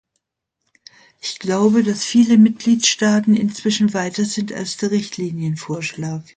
Ich glaube, dass viele Mitgliedstaaten inzwischen weiter sind als der Richtlinienvorschlag.